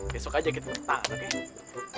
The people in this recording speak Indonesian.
besok aja kita ketahuan oke